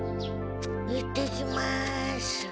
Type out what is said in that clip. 行ってきます。